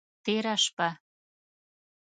تیره شپه…